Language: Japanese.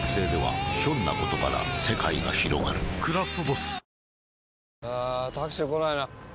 「クラフトボス」